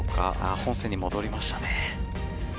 本線に戻りましたね。